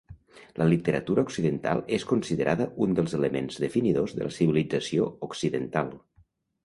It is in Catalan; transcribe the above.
La literatura occidental és considerada un dels elements definidors de la civilització occidental.